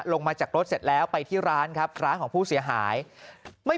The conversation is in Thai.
ลงมาจากรถเสร็จแล้วไปที่ร้านครับร้านของผู้เสียหายไม่